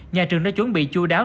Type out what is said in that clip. nhà trường đã chuẩn bị chú đáo